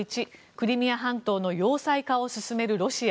クリミア半島の要塞化を進めるロシア。